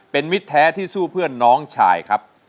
เป็นมิตรแท้ที่สู้เพื่อนน้องชายครับ